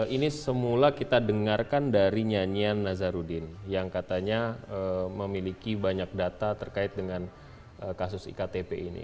ini semula kita dengarkan dari nyanyian nazarudin yang katanya memiliki banyak data terkait dengan kasus iktp ini